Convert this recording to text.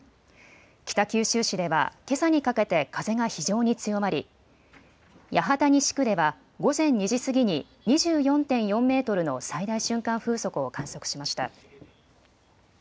北九州市ではけさにかけて風が非常に強まり、八幡西区では午前２時過ぎに２４．４メートルの最大瞬間風速を観測しました。